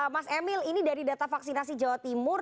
mas emil ini dari data vaksinasi jawa timur